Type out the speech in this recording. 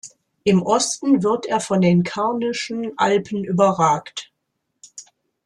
Im Osten wird er von den Karnischen Alpen überragt.